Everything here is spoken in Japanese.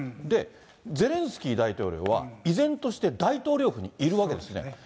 で、ゼレンスキー大統領は依然として大統領府にいるわけですね。